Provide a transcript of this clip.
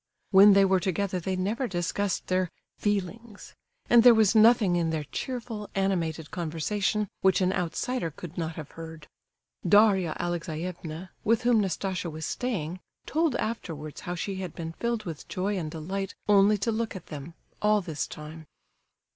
When they were together they never discussed their "feelings," and there was nothing in their cheerful, animated conversation which an outsider could not have heard. Daria Alexeyevna, with whom Nastasia was staying, told afterwards how she had been filled with joy and delight only to look at them, all this time.